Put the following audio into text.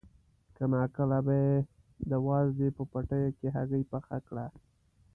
کله ناکله به یې د وازدې په پوټیو کې هګۍ پخه کړه.